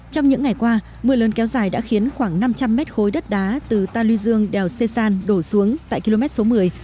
trong những ngày qua mưa lớn kéo dài đã khiến khoảng năm trăm linh mét khối đất đá từ ta lưu dương đèo sê san đổ xuống tại km số một mươi